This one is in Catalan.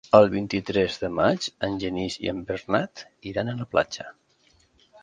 El vint-i-tres de maig en Genís i en Bernat iran a la platja.